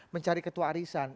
mencari ketua arisan